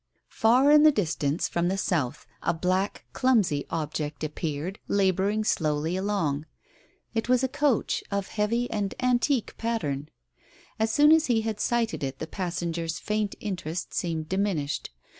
Far in the distance, from the south, a black clumsy object appeared, labouring slowly along. It was a coach, of heavy and antique pattern. As soon as he had sighted it, the passenger's faint interest seemed diminished.